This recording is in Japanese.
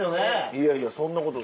いやいやそんなこと。